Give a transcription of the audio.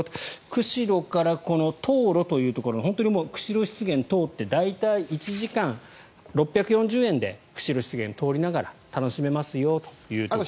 釧路から塘路というところ本当に釧路湿原を通って大体、１時間６４０円で釧路湿原を通りながら楽しめますよというところです。